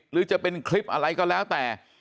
หรือจะเป็นคลิปอะไรก็แล้วแต่